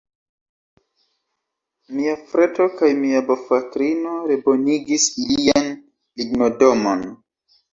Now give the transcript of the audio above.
Mia frato kaj mia bofratino rebonigis ilian lignodomon.